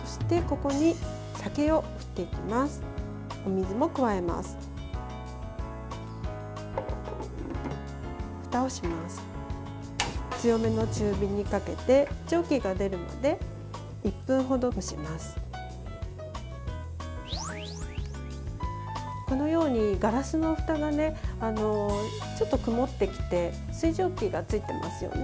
このようにガラスのふたがちょっと曇ってきて水蒸気がついていますよね。